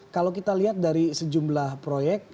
kalau kita lihat dari sejumlah proyek